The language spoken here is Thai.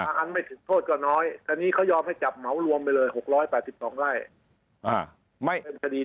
บางอันไม่ถึงโทษก็น้อยแต่นี้เขายอมให้จับเหมารวมไปเลย๖๘๒ไร่